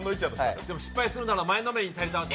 でも失敗するなら前のめりで生きたいんで。